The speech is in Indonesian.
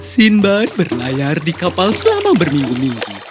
sinbad berlayar di kapal selama berminggu minggu